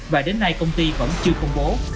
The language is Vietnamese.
và đến nay công ty vẫn chưa công bố